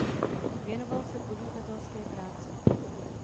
Věnoval se podnikatelské práci.